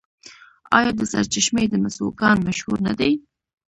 آیا د سرچشمې د مسو کان مشهور نه دی؟